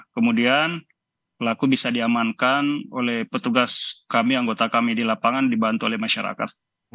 kemudian pelaku bisa diamankan oleh petugas kami anggota kami di lapangan dibantu oleh masyarakat